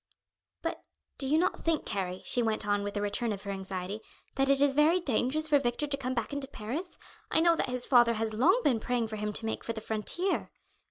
"But do you not think, Harry," she went on with a return of her anxiety, "that it is very dangerous for Victor to come back into Paris? I know that his father has long been praying him to make for the frontier."